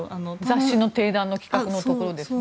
雑誌のてい談の企画のところですね。